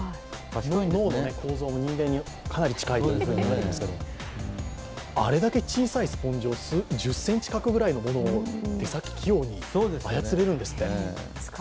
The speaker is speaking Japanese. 脳の構造も人間にかなり近いと言われていますけど、あれだけ小さいスポンジを１０ｃｍ角ぐらいのものを手先、器用に操れるんですって。